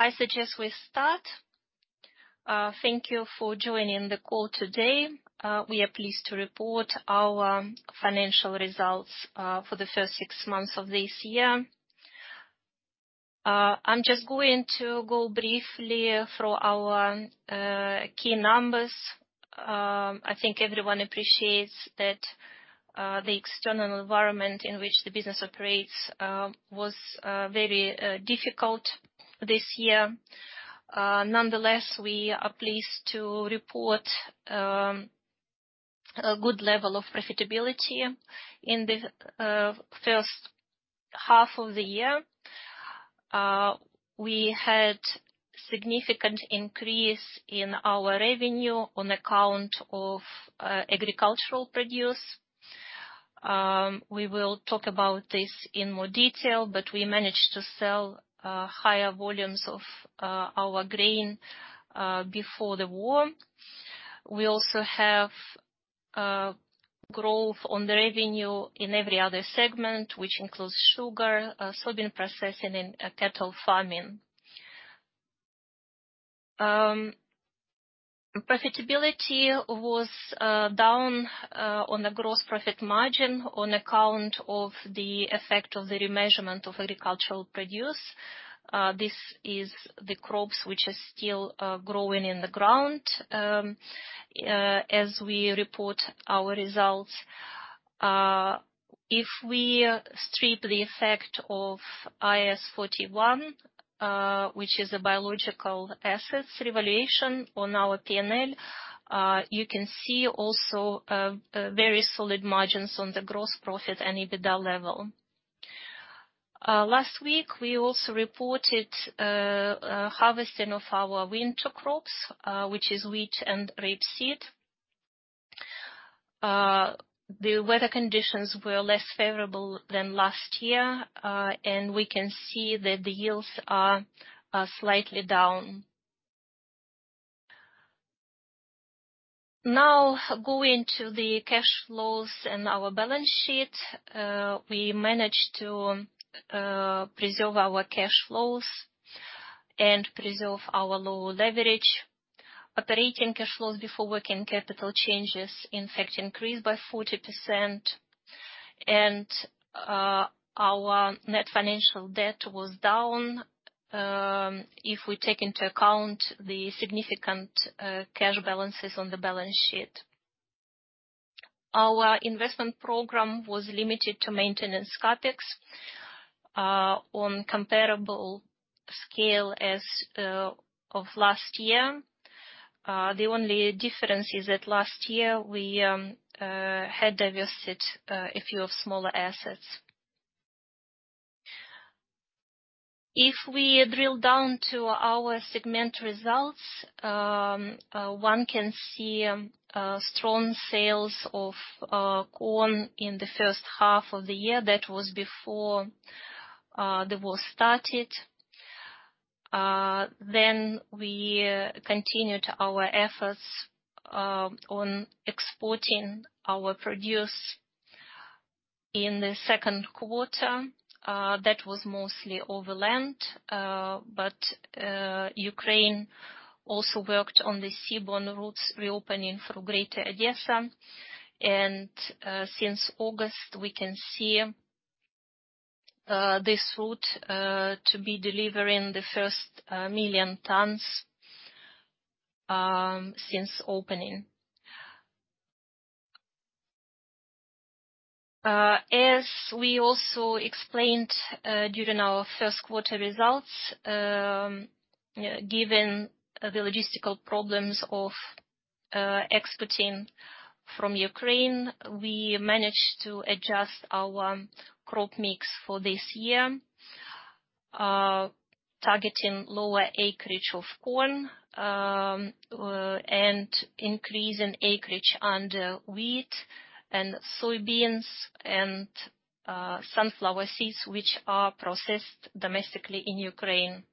I suggest we start. Thank you for joining the call today. We are pleased to report our financial results for the first six months of this year. I'm just going to go briefly through our key numbers. I think everyone appreciates that the external environment in which the business operates was very difficult this year. Nonetheless, we are pleased to report a good level of profitability in the first half of the year. We had significant increase in our revenue on account of agricultural produce. We will talk about this in more detail, but we managed to sell higher volumes of our grain before the war. We also have growth on the revenue in every other segment, which includes sugar, soybean processing, and cattle farming. Profitability was down on the gross profit margin on account of the effect of the remeasurement of agricultural produce. This is the crops which are still growing in the ground as we report our results. If we strip the effect of IAS 41, which is a biological assets revaluation on our P&L, you can see also very solid margins on the gross profit and EBITDA level. Last week, we also reported harvesting of our winter crops, which is wheat and rapeseed. The weather conditions were less favorable than last year, and we can see that the yields are slightly down. Now, going to the cash flows and our balance sheet. We managed to preserve our cash flows and preserve our low leverage. Operating cash flows before working capital changes, in fact, increased by 40%. Our net financial debt was down, if we take into account the significant cash balances on the balance sheet. Our investment program was limited to maintenance CapEx, on comparable scale as of last year. The only difference is that last year we had divested a few smaller assets. If we drill down to our segment results, one can see strong sales of corn in the first half of the year. That was before the war started. We continued our efforts on exporting our produce in the Q2. That was mostly over land. Ukraine also worked on the seaborne routes reopening through Greater Odesa. Since August, we can see this route to be delivering the first 1 million tons since opening. As we also explained during our Q1 results, given the logistical problems of exporting from Ukraine, we managed to adjust our crop mix for this year, targeting lower acreage of corn and increasing acreage under wheat and soybeans and sunflower seeds, which are processed domestically in Ukraine.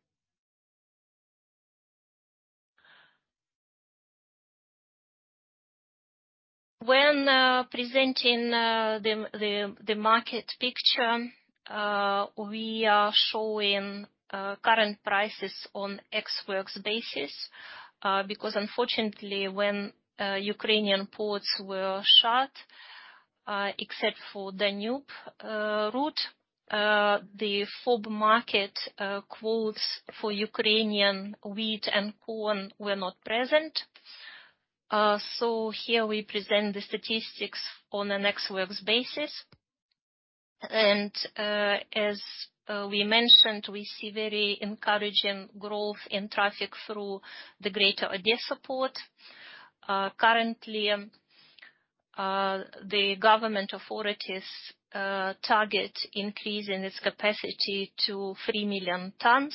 When presenting the market picture, we are showing current prices on Ex Works basis, because unfortunately, when Ukrainian ports were shut except for Danube route, the FOB market quotes for Ukrainian wheat and corn were not present. Here we present the statistics on an Ex Works basis. As we mentioned, we see very encouraging growth in traffic through the Greater Odesa port. Currently, the government authorities target increasing its capacity to 3 million tons,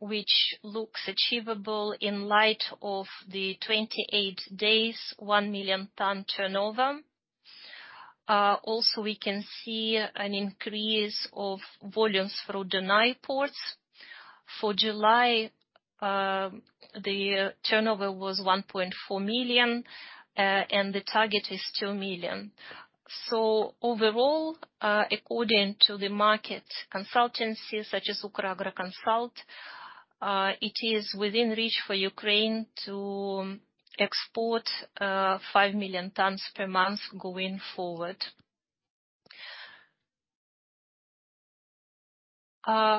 which looks achievable in light of the 28 days, 1 million ton turnover. Also we can see an increase of volumes through Danube ports. For July, the turnover was 1.4 million, and the target is 2 million. Overall, according to the market consultancies such as UkrAgroConsult, it is within reach for Ukraine to export 5 million tons per month going forward.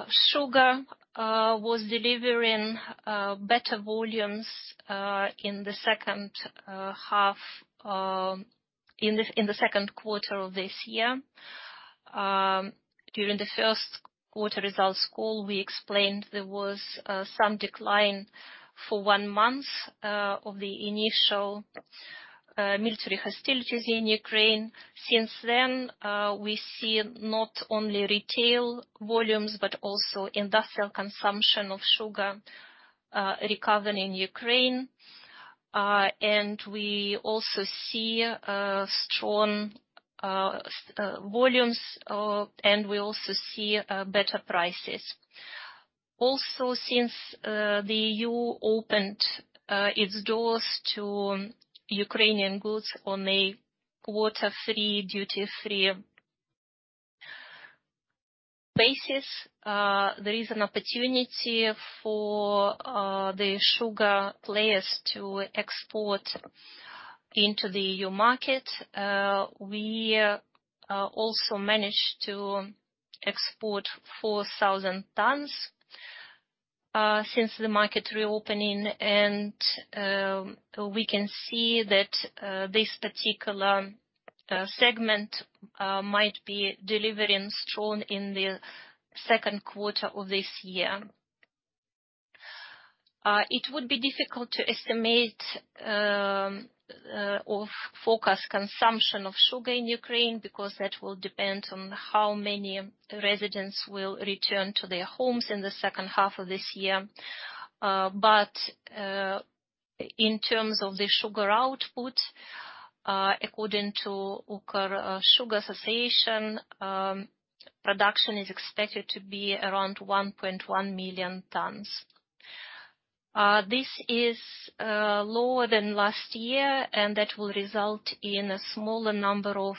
Sugar was delivering better volumes in the second half in the Q2 of this year. During the Q1 results call, we explained there was some decline for one month of the initial military hostilities in Ukraine. Since then, we see not only retail volumes, but also industrial consumption of sugar recovering in Ukraine. We also see strong volumes, and we also see better prices. Also, since the EU opened its doors to Ukrainian goods on a quota-free, duty-free basis, there is an opportunity for the sugar players to export into the EU market. We also managed to export 4,000 tons since the market reopening, and we can see that this particular segment might be delivering strong in the Q2 of this year. It would be difficult to estimate or forecast consumption of sugar in Ukraine, because that will depend on how many residents will return to their homes in the second half of this year. In terms of the sugar output, according to Ukrtsukor, production is expected to be around 1.1 million tons. This is lower than last year, and that will result in a smaller number of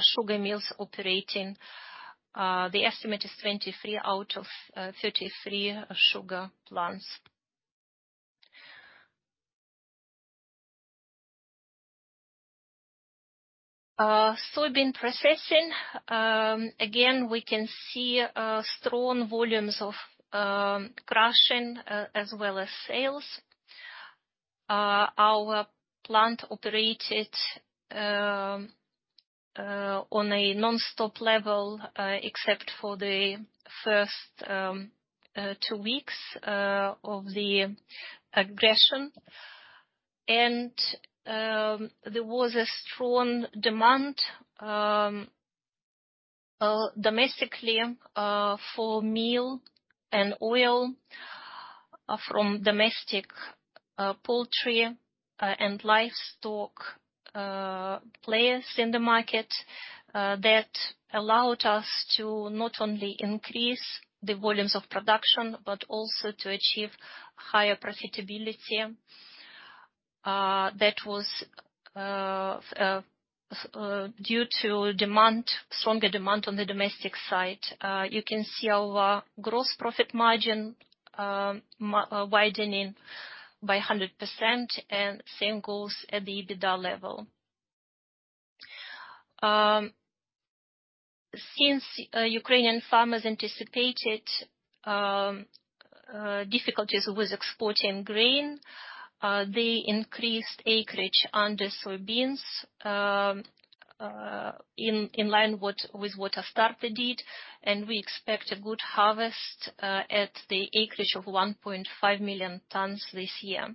sugar mills operating. The estimate is 23 out of 33 sugar plants. Soybean processing. Again, we can see strong volumes of crushing as well as sales. Our plant operated on a nonstop level, except for the first two weeks of the aggression. There was a strong demand domestically for meal and oil from domestic poultry and livestock players in the market that allowed us to not only increase the volumes of production but also to achieve higher profitability that was due to stronger demand on the domestic side. You can see our gross profit margin widening by 100%, and same goes at the EBITDA level. Since Ukrainian farmers anticipated difficulties with exporting grain, they increased acreage under soybeans in line with what Astarta did, and we expect a good harvest at the acreage of 1.5 million tons this year.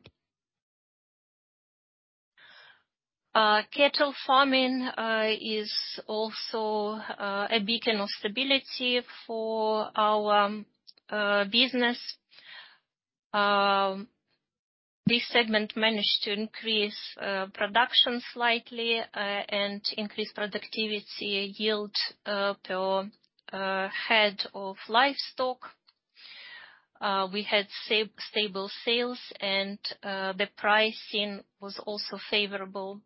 Cattle farming is also a beacon of stability for our business. This segment managed to increase production slightly and increase productivity yield per head of livestock. We had stable sales and the pricing was also favorable.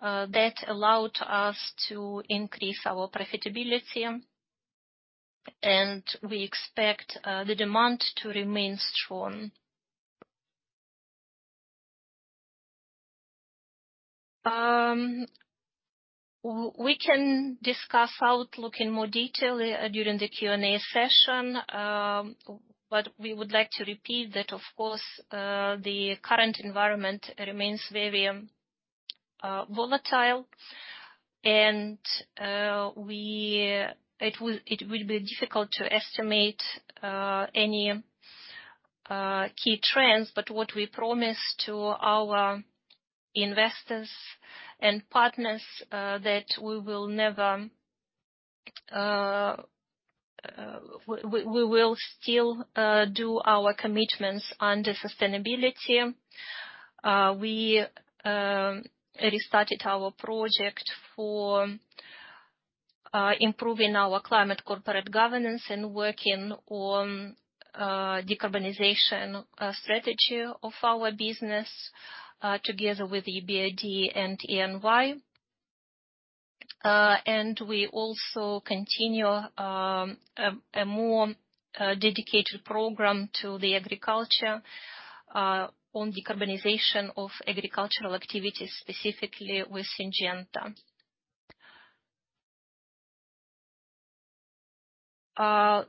That allowed us to increase our profitability, and we expect the demand to remain strong. We can discuss outlook in more detail during the Q&A session, but we would like to repeat that, of course, the current environment remains very volatile and it will be difficult to estimate any key trends. What we promise to our investors and partners that we will still do our commitments under sustainability. We restarted our project for improving our climate corporate governance and working on decarbonization strategy of our business, together with EBRD and EY. We also continue a more dedicated program to the agriculture on decarbonization of agricultural activities, specifically with Syngenta.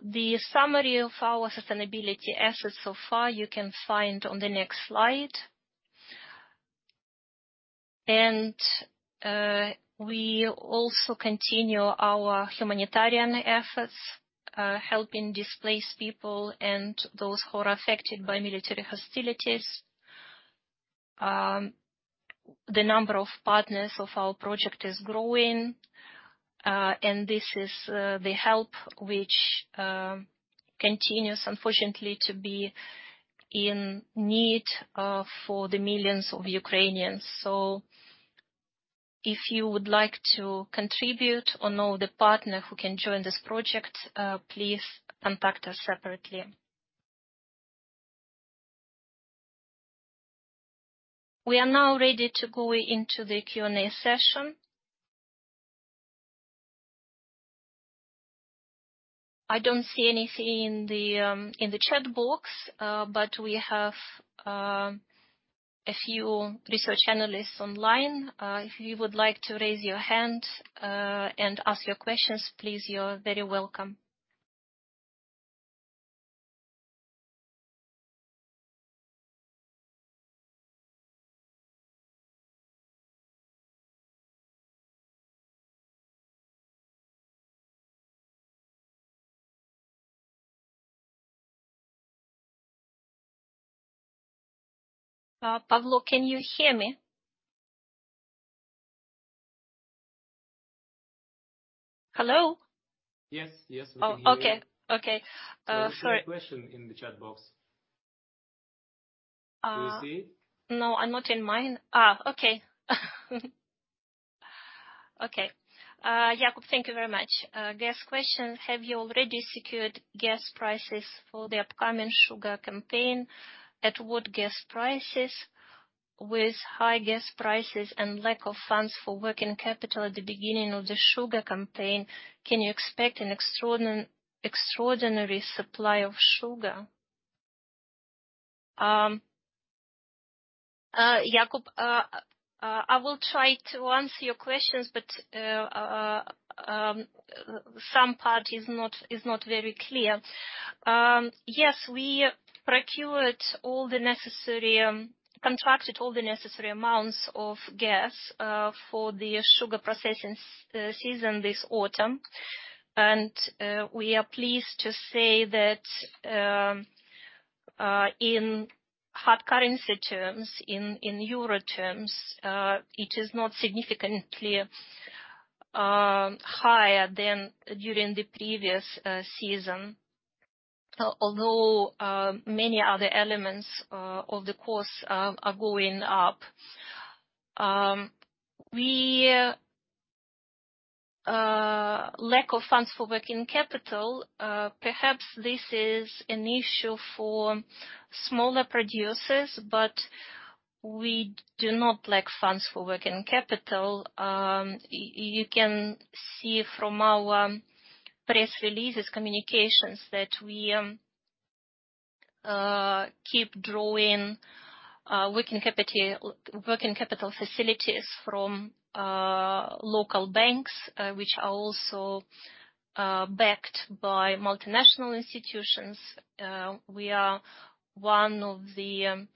The summary of our sustainability efforts so far, you can find on the next slide. We also continue our humanitarian efforts, helping displaced people and those who are affected by military hostilities. The number of partners of our project is growing, and this is the help which continues, unfortunately, to be in need for the millions of Ukrainians. If you would like to contribute or know the partner who can join this project, please contact us separately. We are now ready to go into the Q&A session. I don't see anything in the chat box, but we have a few research analysts online. If you would like to raise your hand and ask your questions, please, you're very welcome. Pavlo, can you hear me? Hello? Yes, we can hear you. Oh, okay. Okay. Sorry. There is a question in the chat box. Do you see it? No, not in mine. Okay. Okay. Jakub, thank you very much. Gas question: Have you already secured gas prices for the upcoming sugar campaign? At what gas prices? With high gas prices and lack of funds for working capital at the beginning of the sugar campaign, can you expect an extraordinary supply of sugar? Jakub, I will try to answer your questions, but some part is not very clear. Yes, we procured all the necessary, contracted all the necessary amounts of gas for the sugar processing season this autumn. We are pleased to say that in hard currency terms, in euro terms, it is not significantly higher than during the previous season, although many other elements of the costs are going up. We lack of funds for working capital, perhaps this is an issue for smaller producers, but we do not lack funds for working capital. You can see from our press releases, communications that we keep drawing working capital facilities from local banks, which are also backed by multinational institutions. We are one of the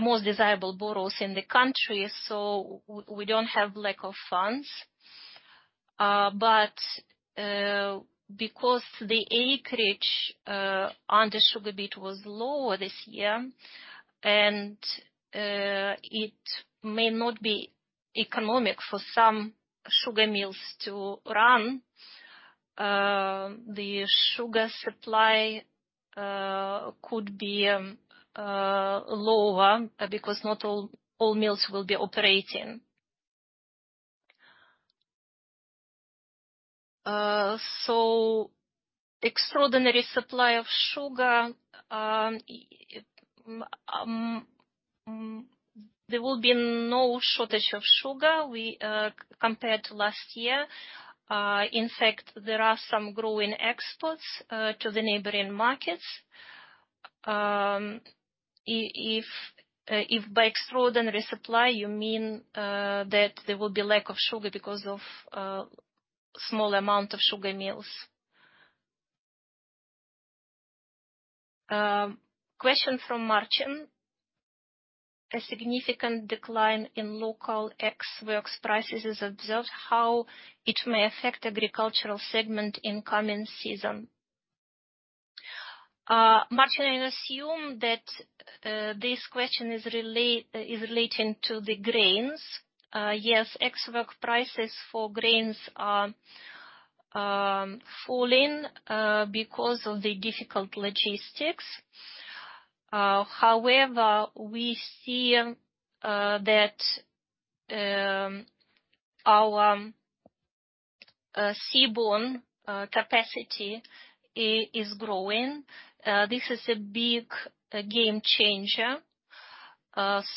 most desirable borrowers in the country, so we don't have lack of funds. Because the acreage on the sugar beet was lower this year and it may not be economic for some sugar mills to run, the sugar supply could be lower because not all mills will be operating. There will be no shortage of sugar. Compared to last year, in fact, there are some growing exports to the neighboring markets. If by extraordinary supply, you mean that there will be lack of sugar because of small amount of sugar mills. Question from Martin. A significant decline in local ex-works prices is observed. How it may affect agricultural segment in coming season? Martin, I assume that this question is relating to the grains. Yes, ex-works prices for grains are falling because of the difficult logistics. However, we see that our seaborne capacity is growing. This is a big game changer.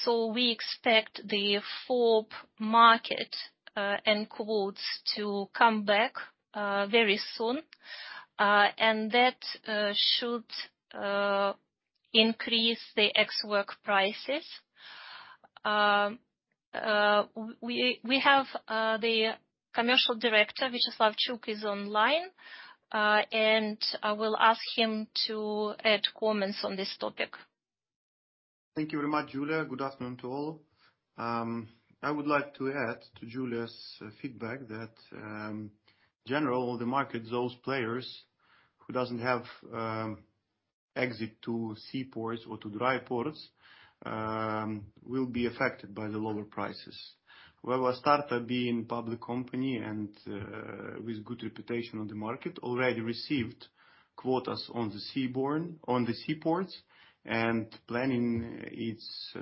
We expect the FOB market and quotes to come back very soon. That should increase the ex-works prices. We have the commercial director, Vyacheslav Chuk, online. I will ask him to add comments on this topic. Thank you very much, Yuliya. Good afternoon to all. I would like to add to Yuliya's feedback that in general, the market, those players who doesn't have access to seaports or to dry ports, will be affected by the lower prices. While Astarta being public company and with good reputation on the market, already received quotas on the seaborne, on the seaports, and planning its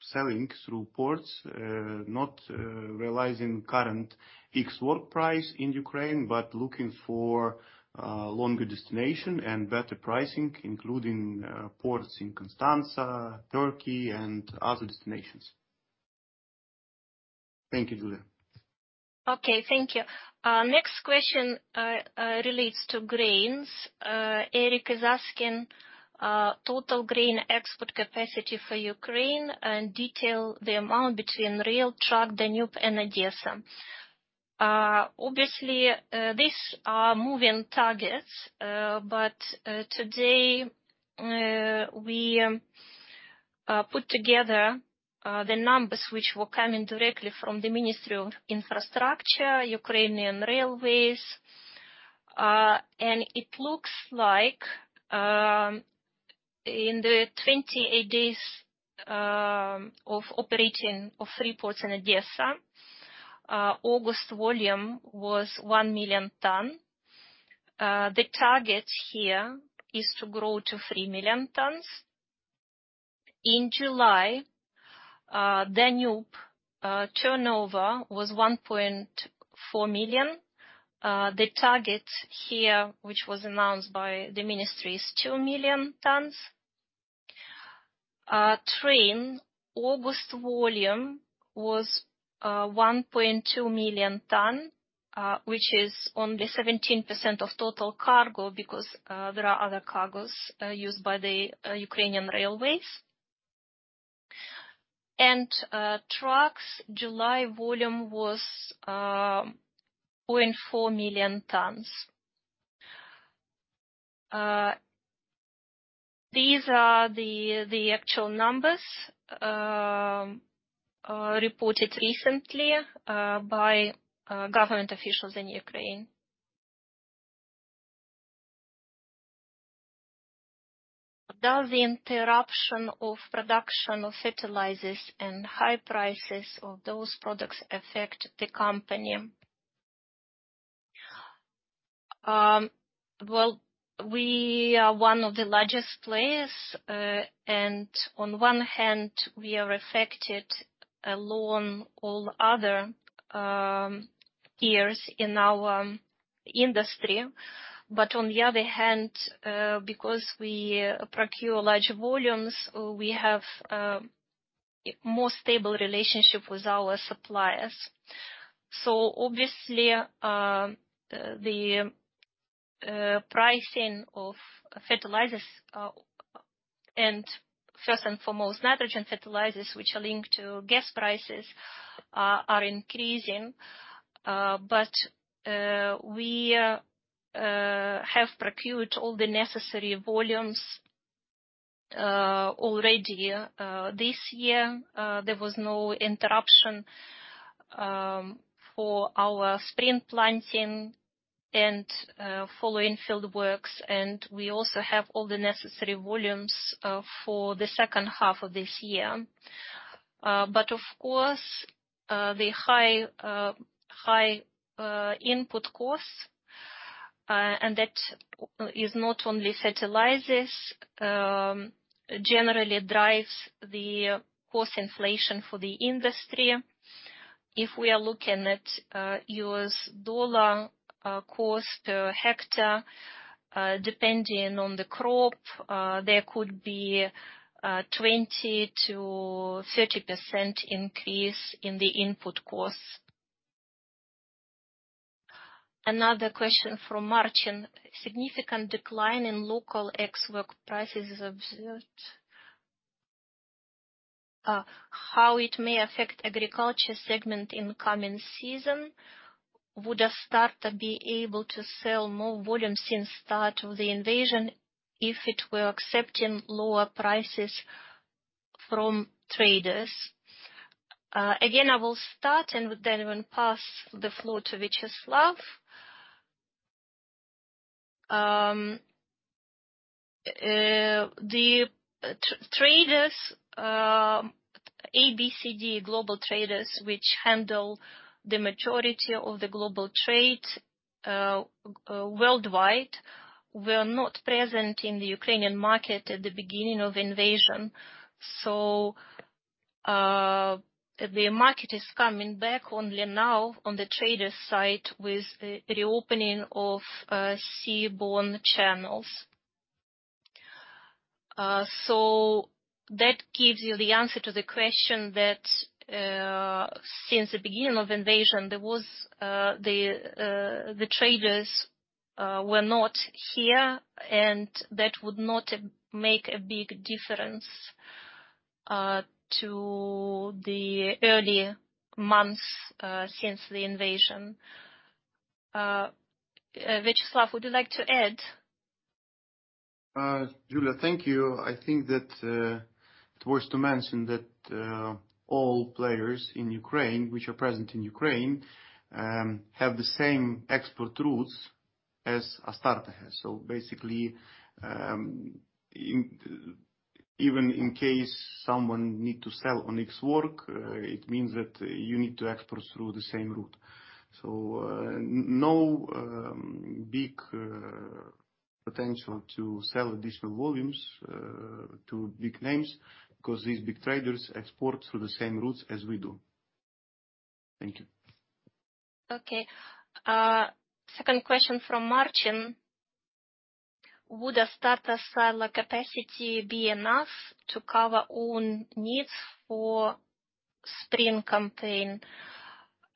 selling through ports, not realizing current Ex Works price in Ukraine, but looking for longer destination and better pricing, including ports in Constanța, Turkey and other destinations. Thank you, Yuliya. Okay, thank you. Next question relates to grains. Eric is asking total grain export capacity for Ukraine and detail the amount between rail, truck, Danube and Odesa. Obviously, these are moving targets, but today we put together the numbers which were coming directly from the Ministry of Infrastructure, Ukrainian Railways. It looks like in the 28 days of operating of three ports in Odesa, August volume was 1 million tons. The target here is to grow to 3 million tons. In July, Danube turnover was 1.4 million. The target here, which was announced by the ministry, is 2 million tons. Train August volume was 1.2 million tons, which is only 17% of total cargo because there are other cargos used by the Ukrainian Railways. Trucks, July volume was 0.4 million tons. These are the actual numbers reported recently by government officials in Ukraine. Does the interruption of production of fertilizers and high prices of those products affect the company? Well, we are one of the largest players, and on one hand, we are affected along with all other peers in our industry. On the other hand, because we procure large volumes, we have more stable relationship with our suppliers. Obviously, the pricing of fertilizers and first and foremost, nitrogen fertilizers, which are linked to gas prices, are increasing. We have procured all the necessary volumes already this year. There was no interruption for our spring planting and following field works. We also have all the necessary volumes for the second half of this year. Of course, the high input costs and that is not only fertilizers generally drives the cost inflation for the industry. If we are looking at U.S. dollar cost per hectare depending on the crop there could be 20%-30% increase in the input costs. Another question from Martin. Significant decline in local Ex Works prices is observed. How it may affect agriculture segment in coming season? Would Astarta be able to sell more volume since start of the invasion if it were accepting lower prices from traders? Again, I will start and then will pass the floor to Vyacheslav. The traders, ABCD global traders, which handle the majority of the global trade worldwide, were not present in the Ukrainian market at the beginning of invasion. The market is coming back only now on the trader side with the reopening of seaborne channels. That gives you the answer to the question that since the beginning of invasion, there was the traders were not here, and that would not make a big difference to the early months since the invasion. Vyacheslav, would you like to add? Yuliya, thank you. I think that it's worth to mention that all players in Ukraine which are present in Ukraine have the same export routes as Astarta has. Basically, even in case someone need to sell on Ex Works, it means that you need to export through the same route. No big potential to sell additional volumes to big names 'cause these big traders export through the same routes as we do. Thank you. Okay. Second question from Martin: Would Astarta silo capacity be enough to cover own needs for spring campaign?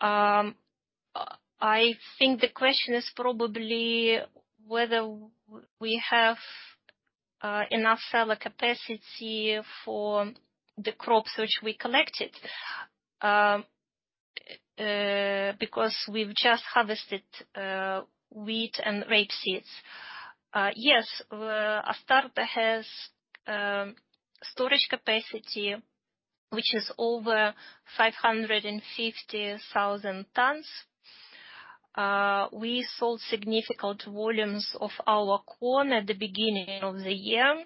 I think the question is probably whether we have enough silo capacity for the crops which we collected, because we've just harvested wheat and rapeseed. Yes, Astarta has storage capacity which is over 550,000 tons. We sold significant volumes of our corn at the beginning of the year.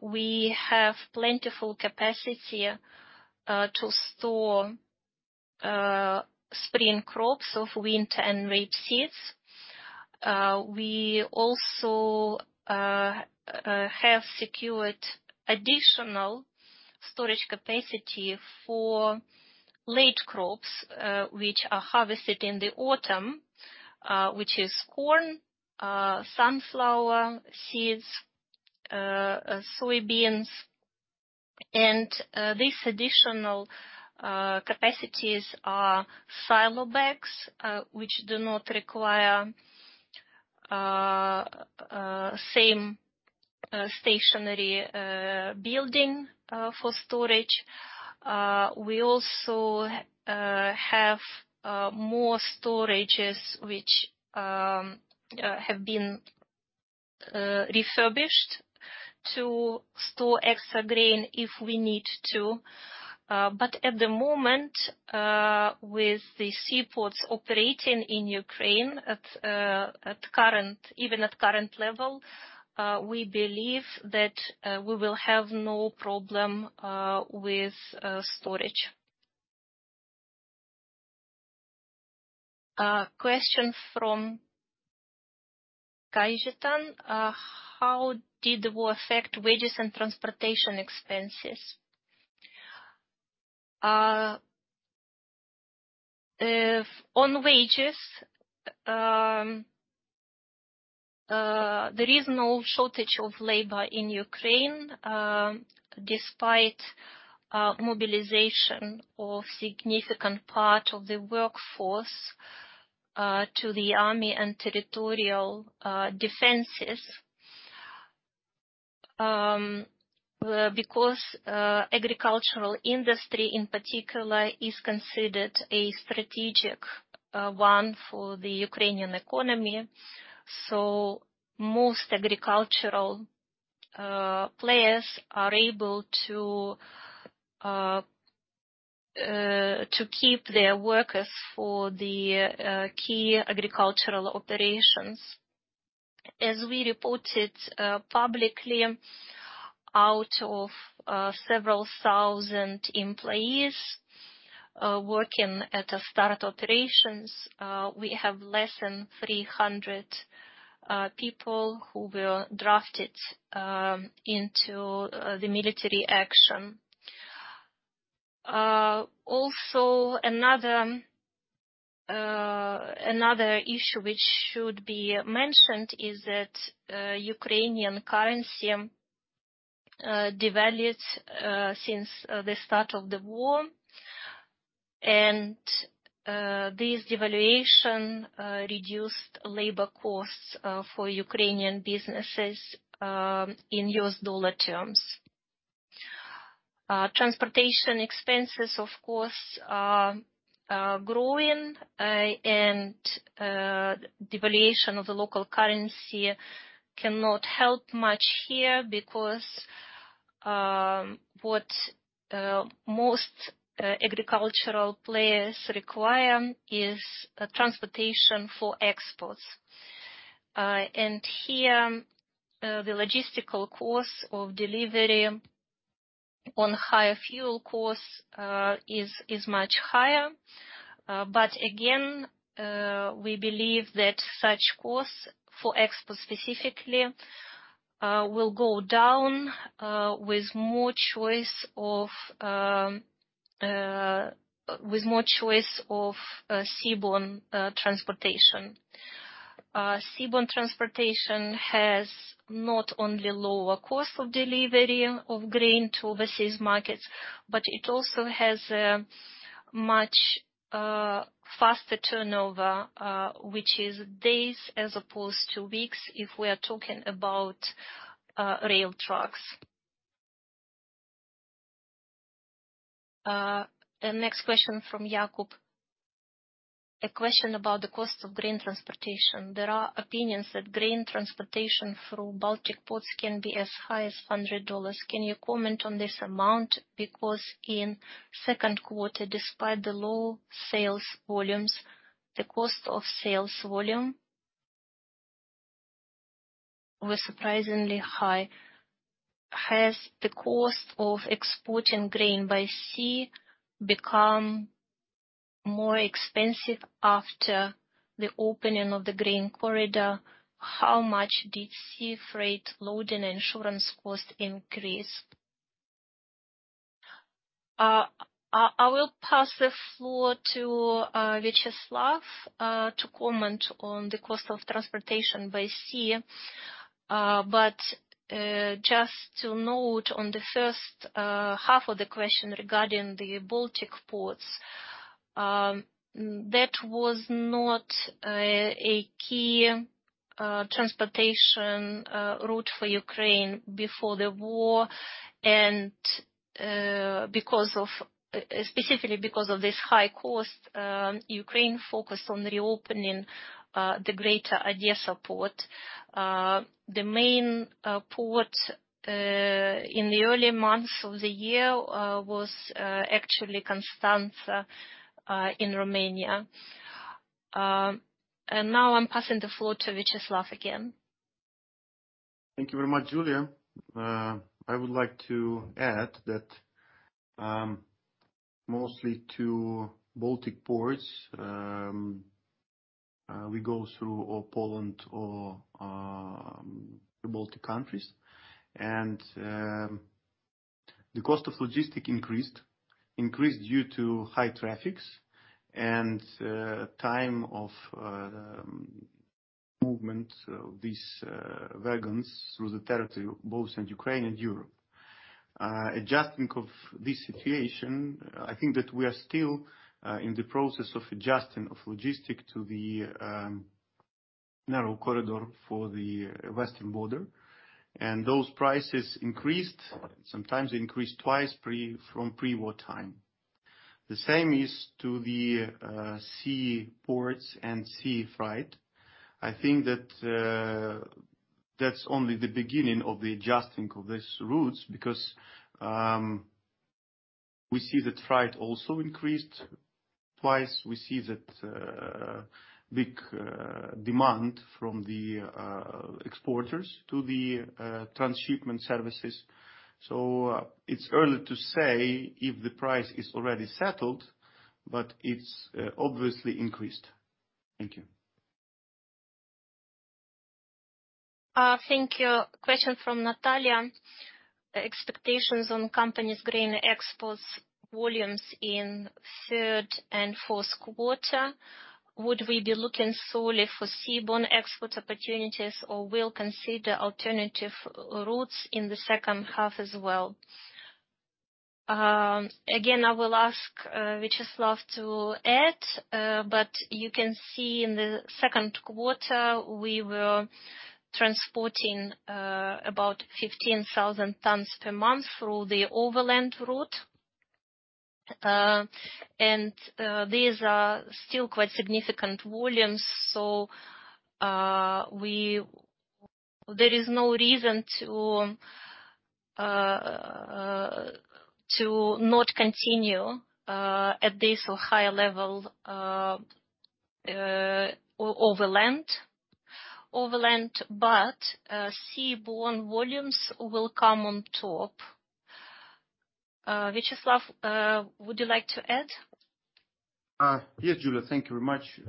We have plentiful capacity to store spring crops of wheat and rapeseed. We also have secured additional storage capacity for late crops, which are harvested in the autumn, which is corn, sunflower seeds, soybeans. These additional capacities are silo bags, which do not require same stationary building for storage. We also have more storages which have been refurbished to store extra grain if we need to. At the moment, with the seaports operating in Ukraine even at current level, we believe that we will have no problem with storage. Question from Kajetan: How did the war affect wages and transportation expenses? If on wages, there is no shortage of labor in Ukraine, despite mobilization of significant part of the workforce to the army and territorial defenses, because agricultural industry in particular is considered a strategic one for the Ukrainian economy, so most agricultural players are able to keep their workers for the key agricultural operations. As we reported publicly, out of several thousand employees working at Astarta operations, we have less than 300 people who were drafted into the military action. Another issue which should be mentioned is that Ukrainian currency devalued since the start of the war and this devaluation reduced labor costs for Ukrainian businesses in U.S. dollar terms. Transportation expenses, of course, are growing and devaluation of the local currency cannot help much here because what most agricultural players require is transportation for exports. Here the logistical cost of delivery on higher fuel cost is much higher. We believe that such costs for export specifically will go down with more choice of seaborne transportation. Seaborne transportation has not only lower cost of delivery of grain to overseas markets, but it also has a much faster turnover, which is days as opposed to weeks if we are talking about rail trucks. The next question from Jakub. A question about the cost of grain transportation. There are opinions that grain transportation through Baltic ports can be as high as $100. Can you comment on this amount? Because in second quarter, despite the low sales volumes, the cost of sales volume was surprisingly high. Has the cost of exporting grain by sea become more expensive after the opening of the grain corridor? How much did sea freight loading insurance cost increase? I will pass the floor to Vyacheslav to comment on the cost of transportation by sea. Just to note on the first half of the question regarding the Baltic ports, that was not a key transportation route for Ukraine before the war. Specifically because of this high cost, Ukraine focused on reopening the greater Odesa port. The main port in the early months of the year was actually Constanța in Romania. Now I'm passing the floor to Vyacheslav again. Thank you very much, Yuliya. I would like to add that, mostly to Baltic ports, we go through Poland or the Baltic countries. The cost of logistics increased due to high traffic and time of movement of these wagons through the territory, both in Ukraine and Europe. Adjusting of this situation, I think that we are still in the process of adjusting of logistics to the narrow corridor for the western border. Those prices increased, sometimes twice from pre-war time. The same is to the seaports and sea freight. I think that's only the beginning of the adjusting of these routes because, we see that freight also increased twice. We see that big demand from the exporters to the transshipment services. It's early to say if the price is already settled, but it's obviously increased. Thank you. Thank you. Question from Natalia. Expectations on company's grain exports volumes in third and fourth quarter. Would we be looking solely for seaborne export opportunities or we'll consider alternative routes in the second half as well? Again, I will ask Vyacheslav to add, but you can see in the second quarter we were transporting about 15,000 tons per month through the overland route. These are still quite significant volumes, so there is no reason to not continue at this or higher level overland, but seaborne volumes will come on top. Vyacheslav, would you like to add? Yes, Yuliya, thank you very much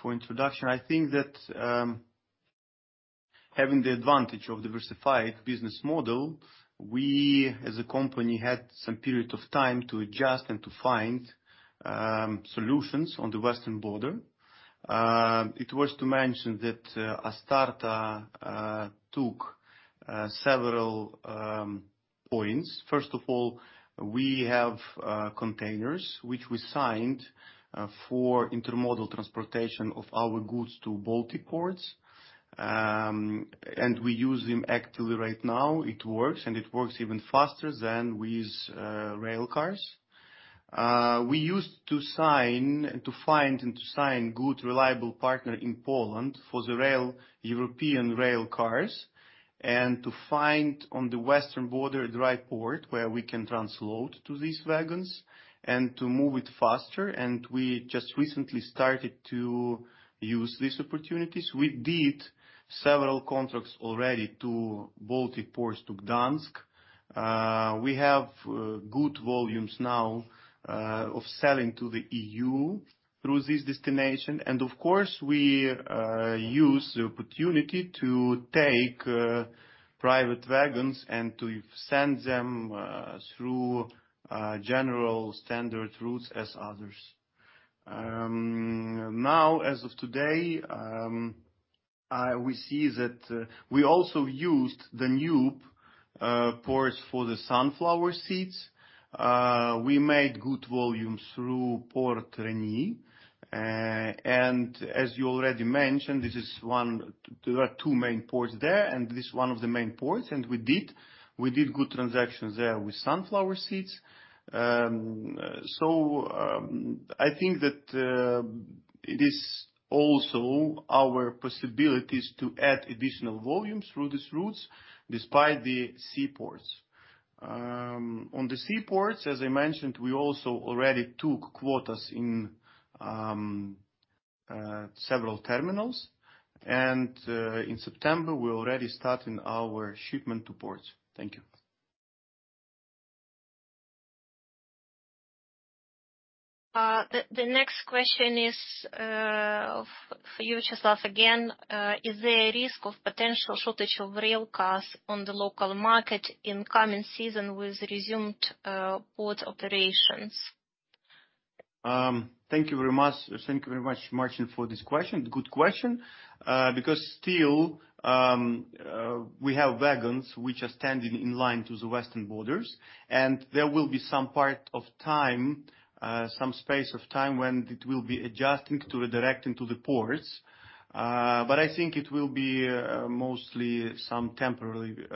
for introduction. I think that, having the advantage of diversified business model, we as a company had some period of time to adjust and to find solutions on the western border. It was to mention that Astarta took several points. First of all, we have containers which we signed for intermodal transportation of our goods to Baltic ports. We use them actively right now. It works, and it works even faster than with rail cars. We used to find and sign good, reliable partner in Poland for the rail, European rail cars, and to find on the western border a dry port where we can transload to these wagons and to move it faster. We just recently started to use these opportunities. We did several contracts already to Baltic ports, to Gdańsk. We have good volumes now of selling to the EU through this destination. Of course, we use the opportunity to take private wagons and to send them through general standard routes as others. Now, as of today, we see that we also used the new ports for the sunflower seeds. We made good volume through Port Reni. As you already mentioned, there are two main ports there, and this is one of the main ports, and we did good transactions there with sunflower seeds. I think that it is also our possibilities to add additional volumes through these routes despite the seaports. On the seaports, as I mentioned, we also already took quotas in several terminals. In September, we're already starting our shipment to ports. Thank you. The next question is for you, Vyacheslav, again. Is there a risk of potential shortage of rail cars on the local market in coming season with resumed port operations? Thank you very much. Thank you very much, Martin, for this question. Good question. Because still, we have wagons which are standing in line to the western borders, and there will be some space of time when it will be adjusting to redirecting to the ports. I think it will be mostly some temporary.